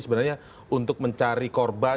sebenarnya untuk mencari korban